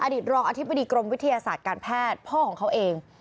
รองอธิบดีกรมวิทยาศาสตร์การแพทย์พ่อของเขาเอง